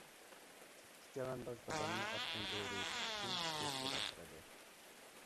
ئىككى چەۋەنداز دادامنى ئاتتىن ئۆرۈۋېتىش ئۈچۈن كۈچەشكە باشلىدى.